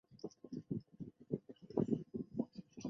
海南罗汉松为罗汉松科罗汉松属的植物。